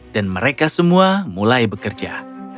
dan mereka semua mulai bekerja